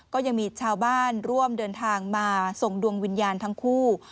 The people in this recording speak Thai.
ก็ยังมีชาวบ้านร่วมเดินทางมาส่งดวงวิญญาณทั้งคู่